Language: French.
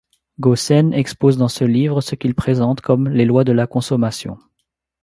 Gossen expose dans ce livre ce qu'il présente comme les lois de la consommation.